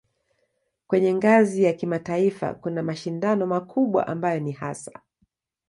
Kwenye ngazi ya kimataifa kuna mashindano makubwa ambayo ni hasa